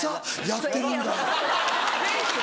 「やってるんだ」。